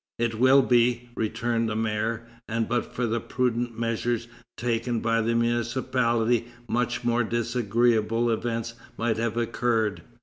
"It will be," returned the mayor; "and but for the prudent measures taken by the municipality, much more disagreeable events might have occurred."